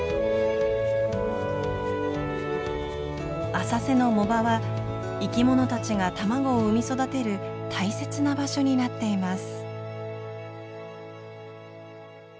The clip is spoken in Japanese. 浅瀬の藻場は生き物たちが卵を産み育てる大切な場所になっています。